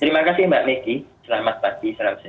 terima kasih mbak meggy selamat pagi salam sehat